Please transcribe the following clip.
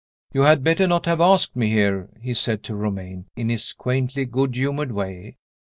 "You had better not have asked me here," he said to Romayne, in his quaintly good humored way.